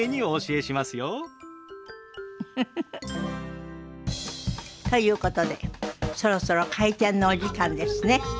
ウフフフ。ということでそろそろ開店のお時間ですね。